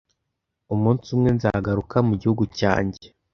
Umunsi umwe nzagaruka mu gihugu cyanjye.